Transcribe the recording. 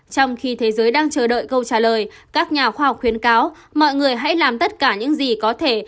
trong khi thế giới đang chờ đợi câu trả lời các nhà khoa học khuyến cáo mọi người hãy làm tất cả những gì có thể